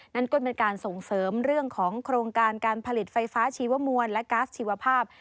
นั้นก็เป็นการส่งเสริมเรื่องของโครงการการผลิตไฟฟ้าชีวมวลและก๊าซชีวภาพ